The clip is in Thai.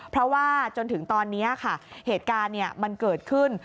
เพราะว่าจนถึงตอนนี้ค่ะเหตุการณ์มันเกิดขึ้น